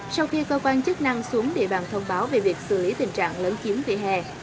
sau khi cơ quan chức năng xuống địa bàn thông báo về việc xử lý tình trạng lớn chiếm vỉa hè